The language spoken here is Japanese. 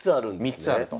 ３つあると。